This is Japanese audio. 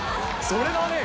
それだね。